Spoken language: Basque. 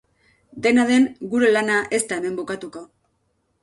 Dena den, gure lana ez da hemen bukatuko.